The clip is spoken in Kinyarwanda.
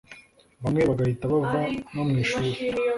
bamwe bagahita bava no mu ishuri